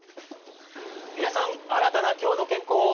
皆さん新たな「きょうの健康」